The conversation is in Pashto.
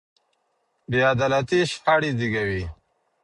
بې عدالتي شخړې زېږوي.